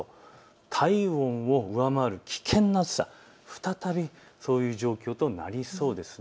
体温を上回る危険な暑さが再びそういう状況となりそうです。